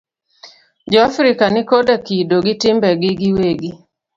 Jo Afrika ni koda kido gi timbegi gi wegi.